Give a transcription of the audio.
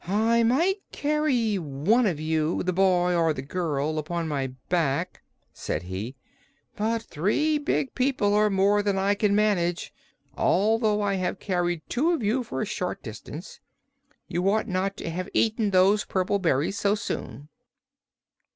"I might carry one of you the boy or the girl upon my back," said he, "but three big people are more than I can manage, although I have carried two of you for a short distance. You ought not to have eaten those purple berries so soon."